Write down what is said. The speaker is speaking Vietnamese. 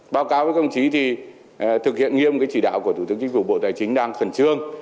báo cáo với công chí thì thực hiện nghiêm cái chỉ đạo của thủ tướng chính phủ bộ tài chính đang khẩn trương